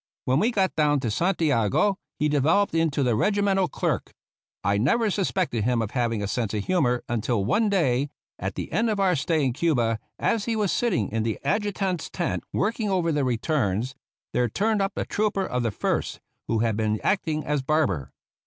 When we got down to Santiago he developed into the regimental clerk. I never suspected him of hav ing a sense of humor until one day, at the end of our stay in Cuba, as he was sitting in the Adju tant's tent working over the returns, there turned up a trooper of the First who had been acting as barber.